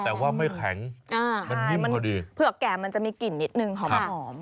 แต่ว่าไม่แข็งมันนิ่มพอดีเผือกแก่มันจะมีกลิ่นนิดนึงหอม